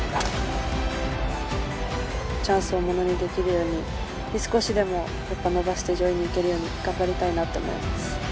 ◆チャンスをものにできるように少しでも伸ばして、上位に行けるように、頑張りたいなと思います。